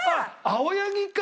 青柳か！